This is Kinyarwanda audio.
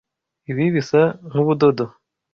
Ibi bisa nkubudodo.